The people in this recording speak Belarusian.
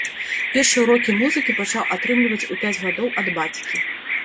Першыя ўрокі музыкі пачаў атрымліваць у пяць гадоў ад бацькі.